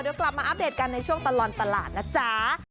เดี๋ยวกลับมาอัปเดตกันในช่วงตลอดตลาดนะจ๊ะ